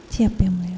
siap yang mulia